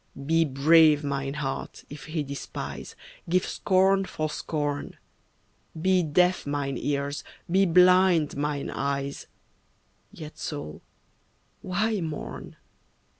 Be brave, mine heart, if he despise, Give scorn for scorn; Be deaf, mine ears, be blind, mine eyes, Yet soul, why mourn?